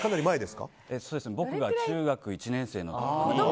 僕が中学１年生の時。